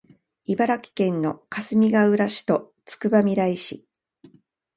茨城県のかすみがうら市とつくばみらい市